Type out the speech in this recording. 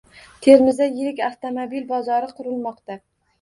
Termizda yirik avtomobil bozori qurilmoqda